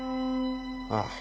ああ。